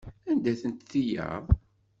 Anda-tent tiyaḍ?